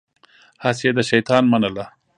هسې يې د شيطان منله.